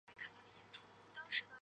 起初客人极少。